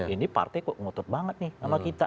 ini partai kok ngotot banget nih sama kita